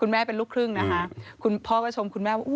คุณแม่เป็นลูกครึ่งนะครับ